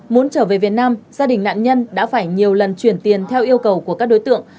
muốn trở về việt nam gia đình nạn nhân đã phải nhiều lần chuyển tiền theo yêu cầu của các đối tượng